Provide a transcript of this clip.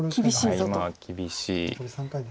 今は厳しい。